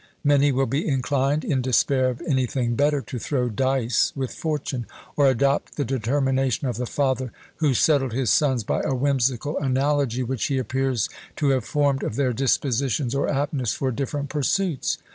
Many will be inclined, in despair of anything better, to throw dice with fortune; or adopt the determination of the father who settled his sons by a whimsical analogy which he appears to have formed of their dispositions or aptness for different pursuits.